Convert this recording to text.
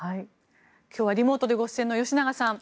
今日はリモートでご出演の吉永さん